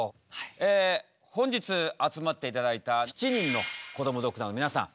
え本日集まって頂いた７人のこどもドクターの皆さん